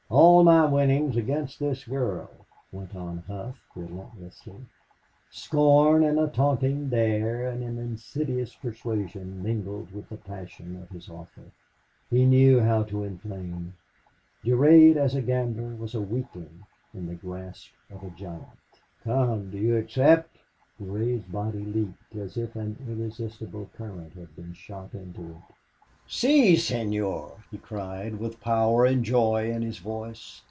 "All my winnings against this girl," went on Hough, relentlessly. Scorn and a taunting dare and an insidious persuasion mingled with the passion of his offer. He knew how to inflame. Durade, as a gambler, was a weakling in the grasp of a giant. "Come!... Do you accept?" Durade's body leaped, as if an irresistible current had been shot into it. "Si, Senor!" he cried, with power and joy in his voice.